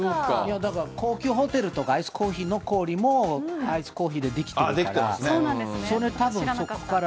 だから、高級ホテルとか、アイスコーヒーの氷も、アイスコーヒーで出来てるから。